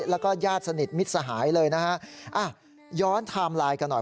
แล้วก็ญาติสนิทมิตรสหายเลยนะฮะอ่ะย้อนไทม์ไลน์กันหน่อย